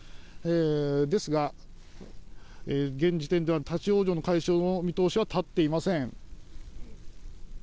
ですが現時点では立往生の解消の見通しは立っていません。